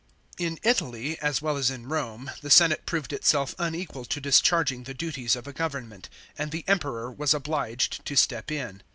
§ 5. In Italy as well as in Rome the senate proved itself unequal to discharging the duties of a government, and the Emperor was obliged to step in.